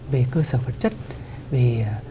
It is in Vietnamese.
về cơ sở vật chất về